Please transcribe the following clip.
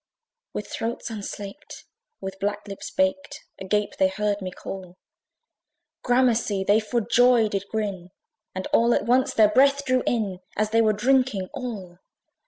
With throats unslaked, with black lips baked, Agape they heard me call: Gramercy! they for joy did grin, And all at once their breath drew in, As they were drinking all.